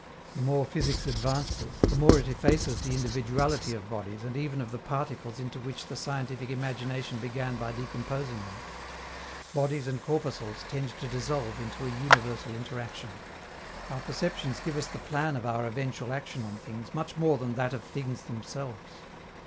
The more physics advances, the more it effaces the individuality of bodies and even of the particles into which the scientific imagination began by decomposing them: bodies and corpuscles tend to dissolve into a universal interaction. Our perceptions give us the plan of our eventual action on things much more than that of things themselves.